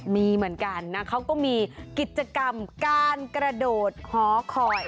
มีเหมือนกันนะเขาก็มีกิจกรรมการกระโดดหอคอย